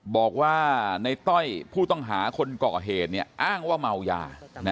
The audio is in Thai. บอกว่าในต้อยผู้ต้องหาคนก่อเหตุอ้างว่าเมายา